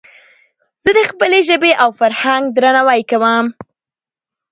زه د خپلي ژبي او فرهنګ درناوی کوم.